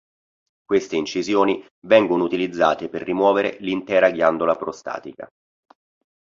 Queste incisioni vengono utilizzate per rimuovere l'intera ghiandola prostatica.